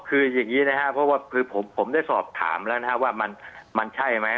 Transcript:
อ๋อคืออย่างนี้นะฮะว่าคือผมได้สอบถามแล้วนะฮะว่ามันใช่ไหม